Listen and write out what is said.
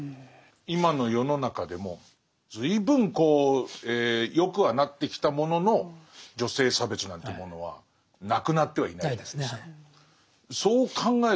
今の世の中でも随分こう良くはなってきたものの女性差別なんていうものはなくなってはいないですね。